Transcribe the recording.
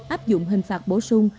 áp dụng hình phạt bổ sung